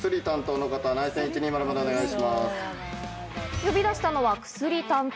呼び出したのは薬担当。